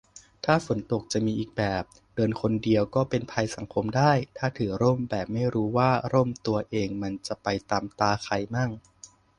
ถ้าฝนตก จะมีอีกแบบ เดินคนเดียวก็เป็นภัยสังคมได้ ถ้าถือร่มแบบไม่รู้ว่าร่มตัวเองมันจะไปตำตาใครมั่ง